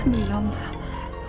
aduh ya allah